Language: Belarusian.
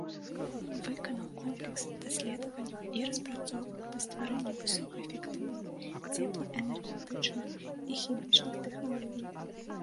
Выканаў комплекс даследаванняў і распрацовак па стварэнні высокаэфектыўных цеплаэнергетычных і хімічных тэхналогій.